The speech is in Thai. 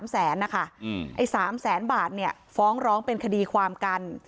แสนนะคะไอ้๓แสนบาทเนี่ยฟ้องร้องเป็นคดีความกัน